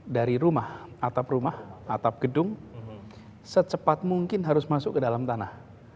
dari rumah atap rumah atap gedung secepat mungkin harus masuk ke dalam tanah